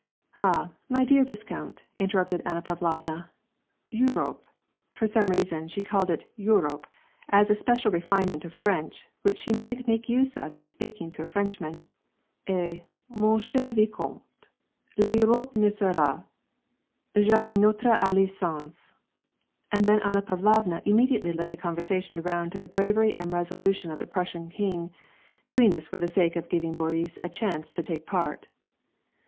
Ah, my dear viscount," interrupted Anna Pavlovna, " T U npe" — for some reason she called it P Urope, as a special re finement of French which she might make use of in speaking to a Frenchman. —" Eh, man cher vicornte, V Urope ne sera ja mais noire allie s inch'e,'' And then Anna Pavlovna immediately led the conversation around to the bravery and resolution of the Prussian king, do ing this for the sake of giving Boris a chance to take part.